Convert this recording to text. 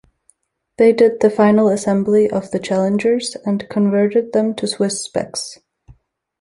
They did the final assembly of the Challengers and converted them to Swiss specs.